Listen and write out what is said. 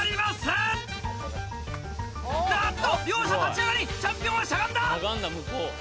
あっと両者立ち上がりチャンピオンはしゃがんだ！